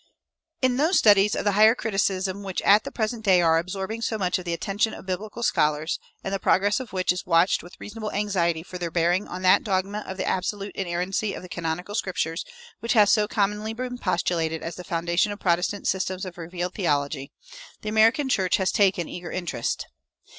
In those studies of the higher criticism which at the present day are absorbing so much of the attention of biblical scholars, and the progress of which is watched with reasonable anxiety for their bearing on that dogma of the absolute inerrancy of the canonical Scriptures which has so commonly been postulated as the foundation of Protestant systems of revealed theology, the American church has taken eager interest.